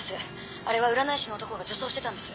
あれは占い師の男が女装してたんです。